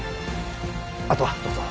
あとはどうぞ。